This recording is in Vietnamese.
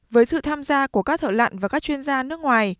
với sự tham gia của các thợ lặn và các chuyên gia nước ngoài